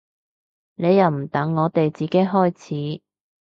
你又唔等我哋自己開始